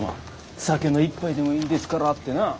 酒の一杯でもいいですからってな。